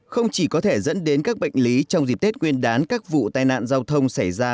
không chỉ có thể dẫn đến các bệnh lý trong dịp tết nguyên đán các vụ tai nạn giao thông xảy ra